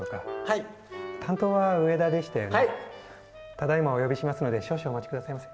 ただいまお呼びしますので少々お待ち下さいませ。